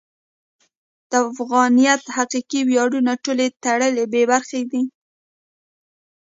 د افغانیت حقیقي ویاړونه ټول ترې بې برخې دي.